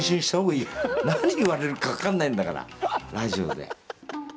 何言われるか分かんないんだからラジオで。